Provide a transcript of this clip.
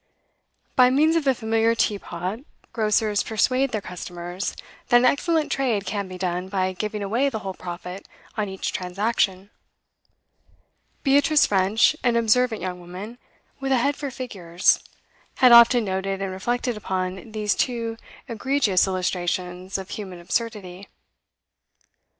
By means of the familiar teapot, grocers persuade their customers that an excellent trade can be done by giving away the whole profit on each transaction. Beatrice French, an observant young woman, with a head for figures, had often noted and reflected upon these two egregious illustrations of human absurdity.